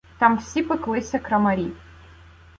Там всі пеклися крамарі.